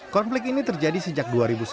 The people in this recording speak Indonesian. konflik ini terjadi sejak dua ribu sebelas